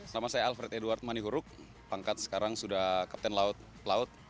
nama saya alfred edward manihuruk pangkat sekarang sudah kapten laut